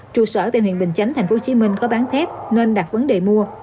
trụ sở tại huyện bình chánh tp hcm có bán thép nên đặt vấn đề mua